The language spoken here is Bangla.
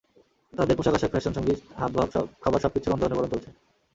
তাদের পোশাক আশাক, ফ্যাশন, সংগীত, হাব ভাব, খাবার সবকিছুর অন্ধ অনুকরণ চলছে।